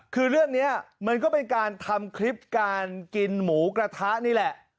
คือเรื่องนี้มันก็เป็นการทำคลิปการกินหมูกระทะนี่แหละ